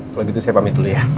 kalau gitu saya pamit dulu ya